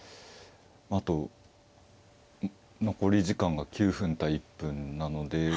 あと残り時間が９分対１分なので。